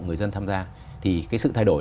người dân tham gia thì sự thay đổi